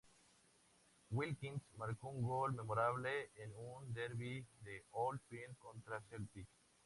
Wilkins marcó un gol memorable en un derbi de Old Firm contra el Celtic.